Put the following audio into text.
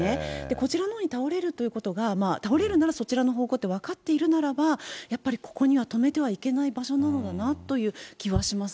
こちらのほうに倒れるということが、倒れるならそちらの方向って分かっているならば、やっぱりここには止めてはいけない場所なのだなという気はします